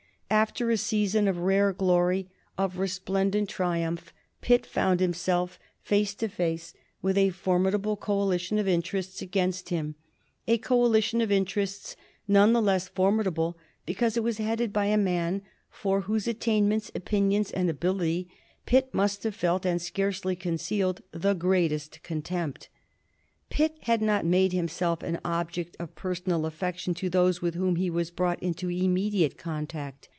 After a season of rare glory, of resplendent triumph, Pitt found himself face to face with a formidable coalition of interests against him, a coalition of interests none the less formidable because it was headed by a man for whose attainments, opinions, and ability Pitt must have felt, and scarcely concealed, the greatest contempt. Pitt had not made himself an object of personal affection to those with whom he was brought into immediate contact.